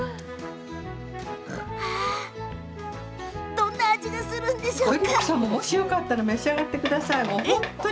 どんなお味がするんでしょう？